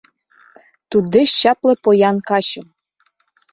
Туддеч чапле поян качым